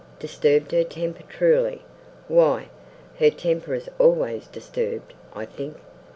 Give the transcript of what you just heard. Disturbed her temper truly! why, her temper is always disturbed, I think.